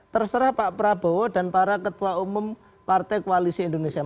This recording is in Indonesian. terserah pak prabowo dan para ketua umum partai koalisi indonesia maju